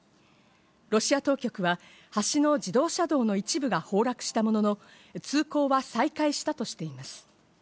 ロシア当局は、橋の自動車道の一部が崩落したものの、通行は再開したとしています。